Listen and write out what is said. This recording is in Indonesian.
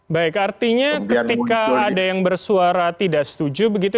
baik artinya ketika ada yang bersuara tidak setuju begitu